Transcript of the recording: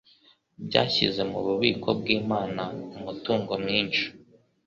byashyize mu bubiko bw'Imana umutungo mwinshi